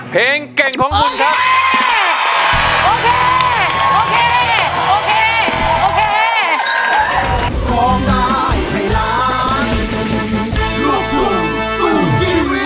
เพลงเก่งของคุณครับ